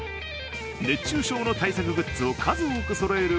熱中症の対策グッズを数多くそろえる